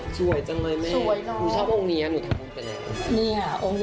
ช่วยจังเลยแม่หนูชอบองค์นี้หนูทำงานเป็นยังไง